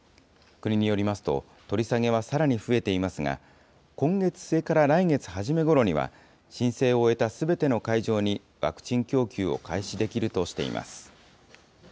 国によりますと、取り下げはさらに増えていますが、今月末から来月初めごろには、申請を終えたすべての会場にワクチン供給を開始できるとしています。